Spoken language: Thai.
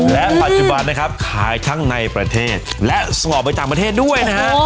และปัจจุบันนะครับขายทั้งในประเทศและส่งออกไปต่างประเทศด้วยนะฮะ